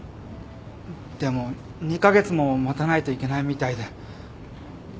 でも２カ月も待たないといけないみたいで。